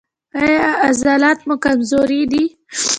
ایا عضلات مو کمزوري دي؟